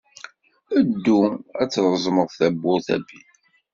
Ddu ad d-reẓmed tawwurt a Bill.